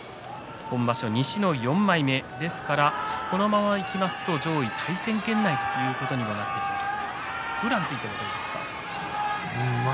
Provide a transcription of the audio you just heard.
この場所は西の４枚目このままいきますと上位との対戦圏内ということになってきます。